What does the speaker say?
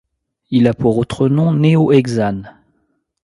Il a pour autre nom néohexane.